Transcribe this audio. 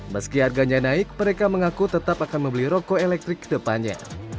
meski harganya naik mereka mengaku tetap akan membeli rokok elektrik ke depannya